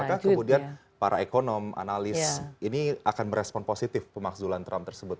apakah kemudian para ekonom analis ini akan merespon positif pemakzulan trump tersebut